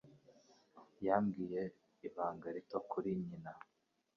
Yambwiye ibanga rito kuri nyina.